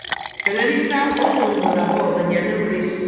Telebista oso ondo dago, baina neurriz.